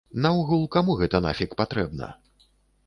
Наогул, каму гэта нафіг патрэбна?